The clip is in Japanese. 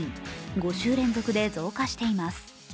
５週連続で増加しています。